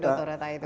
ke dokter rota itu